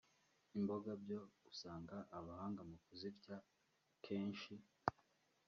Imboga byo usanga abahanga mu kuzirya kenshi